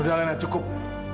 udah lena cukup